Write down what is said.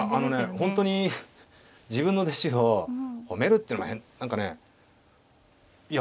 本当に自分の弟子を褒めるってのも変何かねいや